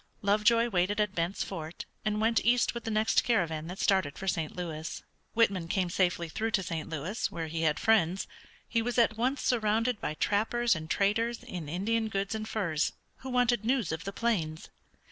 Lovejoy waited at Bent's Fort, and went east with the next caravan that started for St. Louis. Whitman came safely through to St. Louis, where he had friends. He was at once surrounded by trappers and traders in Indian goods and furs who wanted news of the plains.